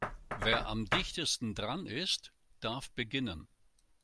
Wer am dichtesten dran ist, darf beginnen.